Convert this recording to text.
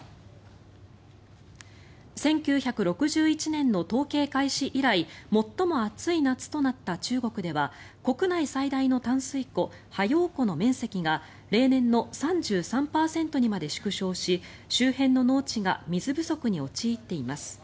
１９６１年の統計開始以来最も暑い夏となった中国では国内最大の淡水湖ハヨウ湖の面積が例年の３３％にまで縮小し周辺の農地が水不足に陥っています。